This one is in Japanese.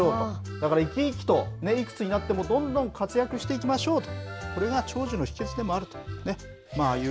だから生き生きといくつになっても、どんどん活躍していきましょうと、これが長寿の秘けつでもあるという。